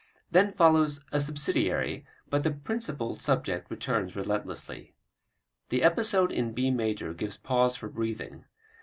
Then follows a subsidiary, but the principal subject returns relentlessly. The episode in B major gives pause for breathing.